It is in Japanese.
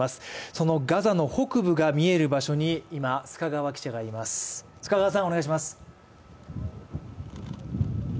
そのガザの北部が見える場所に今、須賀川記者がいます、お願いします。